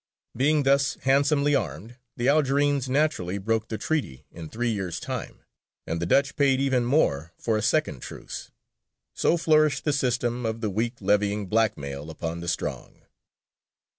Being thus handsomely armed, the Algerines naturally broke the treaty in three years' time, and the Dutch paid even more for a second truce. So flourished the system of the weak levying blackmail upon the strong.